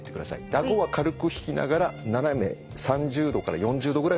あごは軽く引きながら斜め３０度から４０度ぐらいを見る目線。